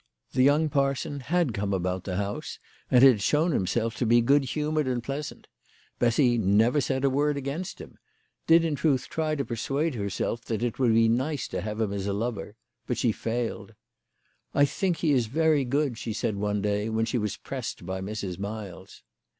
The young parson had come about the house, and had shown himself to be good humoured and pleasant. Bessy never said a word against him ; THE LADY OF LAUNAY. 115 did in truth try to persuade herself that it would be nice to have him as a lover ; but she failed. " I think he is very good," she said one day, when she was pressed by Mrs. Miles.